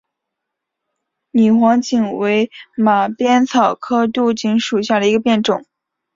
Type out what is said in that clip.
拟黄荆为马鞭草科牡荆属下的一个变种。